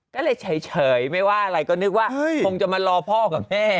ก็เลยเฉยไม่ว่าอะไรก็นึกว่าคงจะมารอพ่อกับแม่